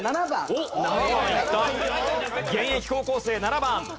現役高校生７番。